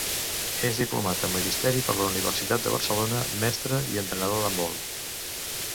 És diplomat en magisteri per la Universitat de Barcelona, mestre i entrenador d'handbol.